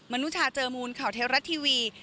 นุชาเจอมูลข่าวเทวรัฐทีวี